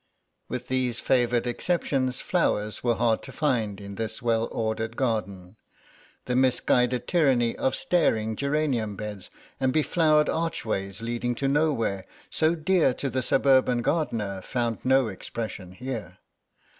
With these favoured exceptions flowers were hard to find in this well ordered garden; the misguided tyranny of staring geranium beds and beflowered archways leading to nowhere, so dear to the suburban gardener, found no expression here.